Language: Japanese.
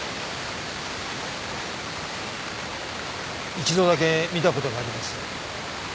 一度だけ見た事があります。